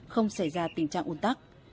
không xảy ra tình trạng ổn tắc